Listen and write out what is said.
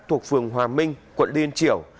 thuộc phường hòa minh quận liên triểu